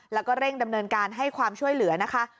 แล้วก็เร่งดำเนินการให้ความช่วยเหลือนะคะ